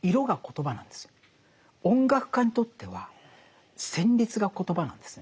音楽家にとっては旋律がコトバなんですね。